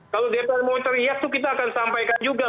kalau depan mau teriak itu kita akan sampaikan juga